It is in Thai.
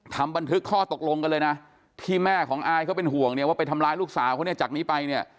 ทำบันทึกข้อตกลงกันเลยนะที่แม่ของอายเขาเป็นห่วงเนี่ยว่าไปทำร้ายลูกสาวเขาเนี่ยจากนี้ไปเนี่ย